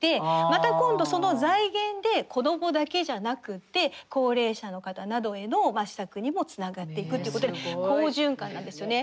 また今度その財源で子どもだけじゃなくて高齢者の方などへの施策にもつながっていくということで好循環なんですよね。